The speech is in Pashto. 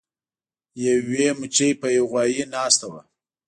یوې مچۍ په یو غوایي ناسته وه.